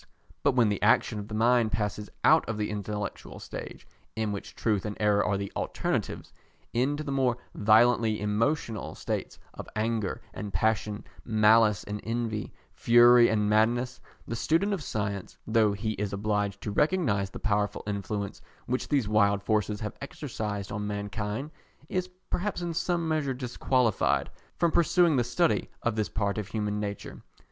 But when the action of the mind passes out of the intellectual stage, in which truth and error are the alternatives, into the more violently emotional states of anger and passion, malice and envy, fury and madness; the student of science, though he is obliged to recognise the powerful influence which these wild forces have exercised on mankind, is perhaps in some measure disqualified from pursuing the study of this part of human nature.